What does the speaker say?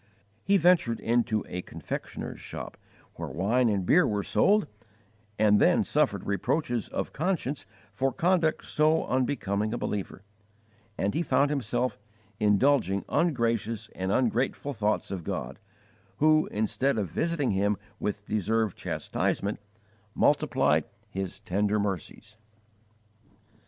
He ventured into a confectioner's shop where wine and beer were sold, and then suffered reproaches of conscience for conduct so unbecoming a believer; and he found himself indulging ungracious and ungrateful thoughts of God, who, instead of visiting him with deserved chastisement, multiplied His tender mercies.